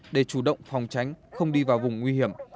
để chủ động phòng tránh không đi vào vùng nguy hiểm